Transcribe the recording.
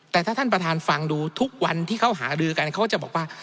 แต่ถ้าท่านประธานฟังดูทุกวันที่เขาหารือกันเขาจะบอกว่า